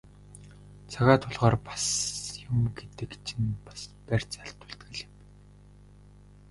Цагаа тулахаар бас юм гэдэг чинь бас барьц алдуулдаг л юм байна.